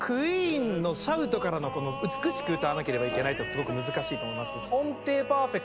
ＱＵＥＥＮのシャウトからの美しく歌わなければいけないすごく難しいと思います。